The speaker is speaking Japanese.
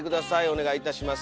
お願いいたします。